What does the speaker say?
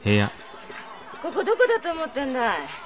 ここどこだと思ってんだい？